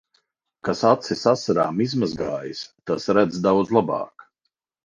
Kas acis asarām izmazgājis, tas redz daudz labāk.